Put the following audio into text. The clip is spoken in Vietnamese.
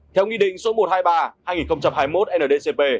theo nghị định số một trăm hai mươi ba hai nghìn hai mươi một ndcp